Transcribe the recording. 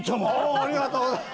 ありがとうございます。